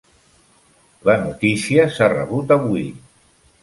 La notícia s'ha rebut avui.